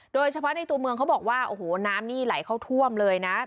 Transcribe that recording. โดยเฉพาะในตัวเมืองเขาบอกว่าโอ้โหน้ำนี่ไหลเข้าท่วมเลยนะ